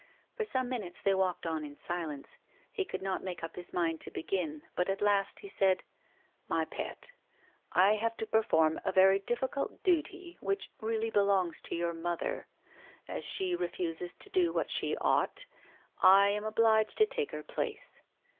For some minutes they walked on in silence ; he could not make up his mind to begin, but, at last, he said : "My pet,' I have to perform a very difficult duty which really belongs to your mother ; as she refuses to do what she ought, I am obliged to take her place.